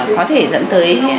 có thể dẫn tới